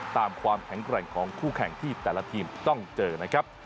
ความแข็งแกร่งของคู่แข่งที่แต่ละทีมต้องเจอนะครับ